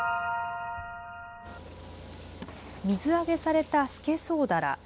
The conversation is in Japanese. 水揚げされたスケソウダラ。